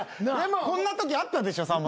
こんなときあったでしょ？